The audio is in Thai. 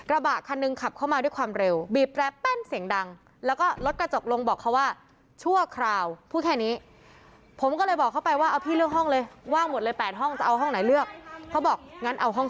ระบะคันนึงขับเข้ามาด้วยความเร็วบีบแป๊บแป้นเสียงดัง